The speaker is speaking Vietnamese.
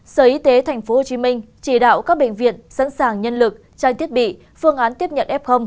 sở y tế tp hcm chỉ đạo các bệnh viện sẵn sàng nhân lực trang thiết bị phương án tiếp nhận f